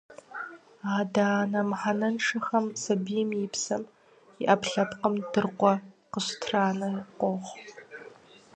Адэ-анэ мыхьэнэншэхэм сабийм и псэм, и ӏэпкълъэпкъым дыркъуэ къыщытранэ къохъу.